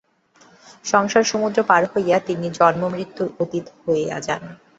সংসার-সমুদ্র পার হইয়া তিনি জন্মমৃত্যুর অতীত হইয়া যান।